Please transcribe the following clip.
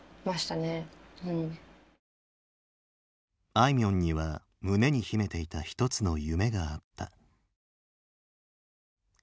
あいみょんには胸に秘めていた一つの夢があった。